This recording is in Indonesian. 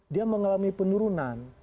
dia mengalami penurunan